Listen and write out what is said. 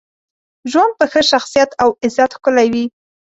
ژوند په ښه شخصیت او عزت ښکلی وي.